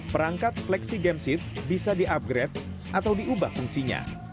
perangkat flexi game seat bisa di upgrade atau diubah fungsinya